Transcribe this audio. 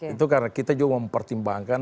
itu karena kita juga mempertimbangkan